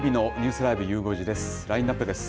ラインナップです。